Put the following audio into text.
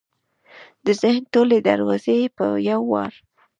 د ذهن ټولې دروازې یې په یو وار